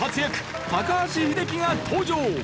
高橋英樹が登場。